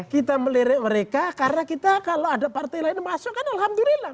karena mereka karena kita kalau ada partai lain masuk kan alhamdulillah